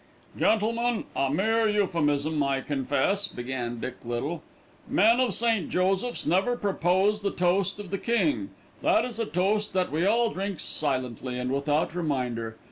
"Gentlemen a mere euphemism, I confess," began Dick Little; "men of St. Joseph's never propose the toast of the King; that is a toast that we all drink silently and without reminder.